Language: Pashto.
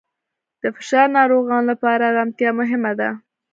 د فشار ناروغانو لپاره آرامتیا مهمه ده.